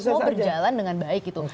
semua berjalan dengan baik gitu